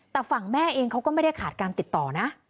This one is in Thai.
แต่ฝั่งแม่เองเขาก็ไม่ได้ขาดการติดต่อนะ